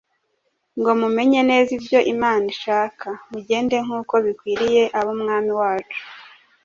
ngo mumenye neza ibyo Imana ishaka, mugende nk’uko bikwiriye ab’Umwami wacu,